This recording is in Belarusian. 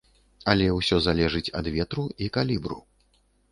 Але ўсё залежыць ад ветру і калібру.